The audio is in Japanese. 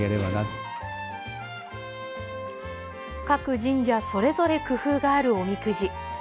各神社それぞれ工夫があるおみくじ。